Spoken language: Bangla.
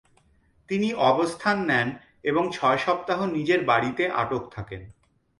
তিনি অবস্থান নেন এবং ছয় সপ্তাহ নিজের বাড়িতে আটক থাকেন।